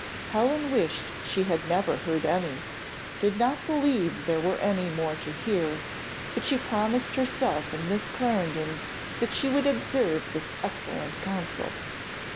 Helen wished she had never heard any; did not believe there were any more to hear; but she promised herself and Miss Clarendon that she would observe this excellent counsel.